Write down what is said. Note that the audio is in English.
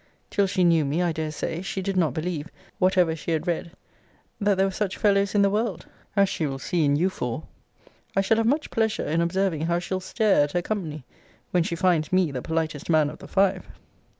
Till she knew me, I dare say, she did not believe, whatever she had read, that there were such fellows in the world, as she will see in you four. I shall have much pleasure in observing how she'll stare at her company, when she finds me the politest man of the five.